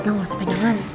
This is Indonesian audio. nggak usah pegangan